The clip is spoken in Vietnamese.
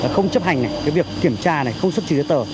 không chấp hành kiểm tra không xuất trình giấy tờ